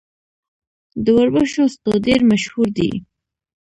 د وربشو سټو ډیر مشهور دی.